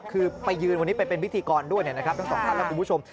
คือไปยืนวันนี้ไปเป็นพิธีกรด้วยนะครับทั้งสองท่านและคุณผู้ชม